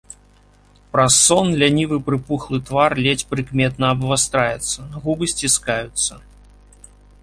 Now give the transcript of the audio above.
Праз сон лянівы прыпухлы твар ледзь прыкметна абвастраецца, губы сціскаюцца.